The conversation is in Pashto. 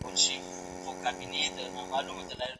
پلان جوړونه بېلابېل ډولونه لري.